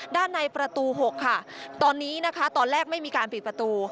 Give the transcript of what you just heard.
ด้านในประตู๖ค่ะตอนนี้นะคะตอนแรกไม่มีการปิดประตู